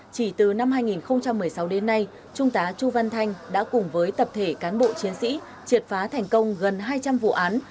chỉ từ năm hai nghìn một mươi sáu đến nay trung tá chu văn thanh đã cùng với tập thể cán bộ chiến sĩ triệt phá thành công gần hai trăm linh vụ án